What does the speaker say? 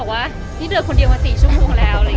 อ้ามว่าดิดเดินคนเดียวมา๔ชั่วโนงแล้ว